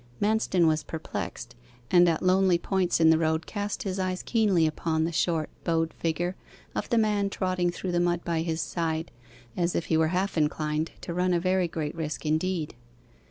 Manston was perplexed, and at lonely points in the road cast his eyes keenly upon the short bowed figure of the man trotting through the mud by his side, as if he were half inclined to run a very great risk indeed.